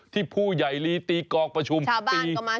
ที่ผู้ใหญ่ลีตีกอกประชุมปี๒๕๐๔